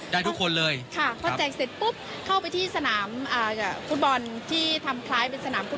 ทุกคนเลยค่ะพอแจกเสร็จปุ๊บเข้าไปที่สนามฟุตบอลที่ทำคล้ายเป็นสนามกุ๊